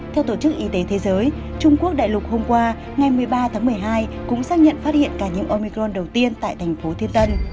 theo tổ chức y tế thế giới trung quốc đại lục hôm qua ngày một mươi ba tháng một mươi hai cũng xác nhận phát hiện ca nhiễm omicron đầu tiên tại thành phố thiên tân